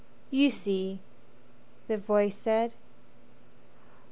"You see," the voice said.